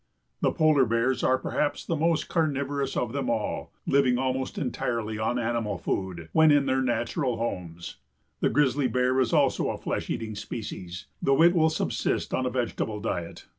The Polar Bears are perhaps the most carnivorous of them all, living almost entirely on animal food, when in their natural homes. The Grizzly Bear is also a flesh eating species, though it will subsist on a vegetable diet.